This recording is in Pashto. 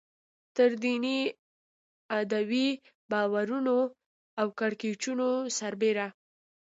تر دیني ادعاوو، باورونو او کړکېچونو سربېره.